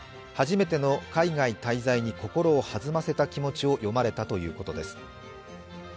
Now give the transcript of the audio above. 初めての海外滞在に心を弾ませた気持ちを詠まれたということです。